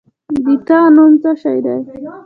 د تا نوم څه شی ده؟